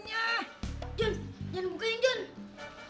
iya nyasama gue pengen masuk